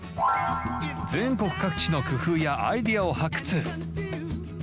全国各地の工夫やアイデアを発掘。